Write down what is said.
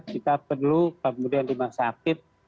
kita perlu kemudian rumah sakit